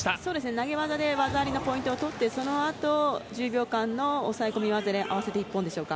投げ技で技ありのポイントを取ってそのあと１０秒間の抑え込みで合わせて一本でしょうか。